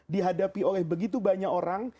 dihadapi oleh begitu banyak orang